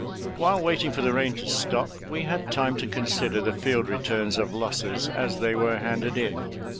While waiting for the rain to stop, we had time to consider the field returns of losses as they were handed in.